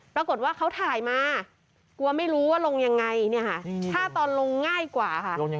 ปรากฏว่าเขาถ่ายมากลัวไม่รู้ว่าลงยังไงเนี่ยค่ะถ้าตอนลงง่ายกว่าค่ะ